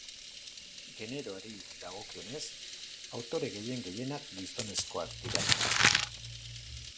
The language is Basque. Generoari dagokionez, autore gehien-gehienak gizonezkoak dira.